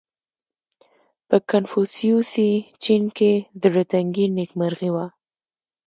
• په کنفوسیوسي چین کې زړهتنګي نېکمرغي وه.